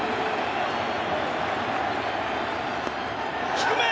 低め！